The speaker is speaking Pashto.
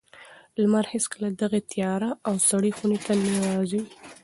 لمر هېڅکله دغې تیاره او سړې خونې ته نه راوځي.